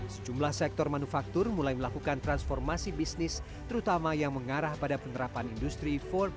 sejumlah sektor manufaktur mulai melakukan transformasi bisnis terutama yang mengarah pada penerapan industri empat